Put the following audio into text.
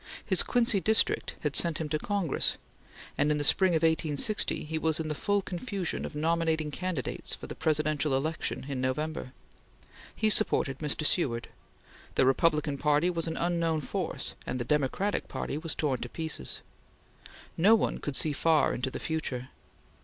His Quincy district had sent him to Congress, and in the spring of 1860 he was in the full confusion of nominating candidates for the Presidential election in November. He supported Mr. Seward. The Republican Party was an unknown force, and the Democratic Party was torn to pieces. No one could see far into the future.